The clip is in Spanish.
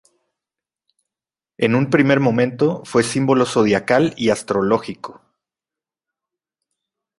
En un primer momento, fue símbolo zodiacal y astrológico.